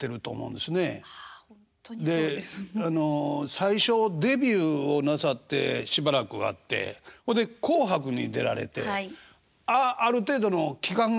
最初デビューをなさってしばらくあってほんで「紅白」に出られてある程度の期間があるじゃないですか。ね？